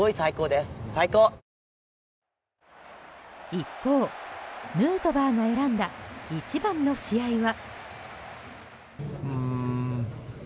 一方、ヌートバーが選んだ一番の試合は？